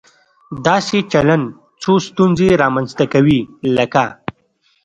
داسې چلن څو ستونزې رامنځته کوي، لکه